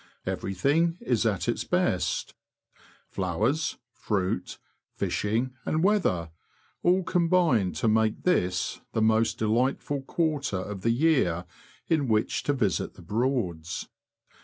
Everything is at its )|^^; best. Flowers, fruit, fishing, and weather, all combine to make this the most delightful quarter of the year in which to visit the Broads.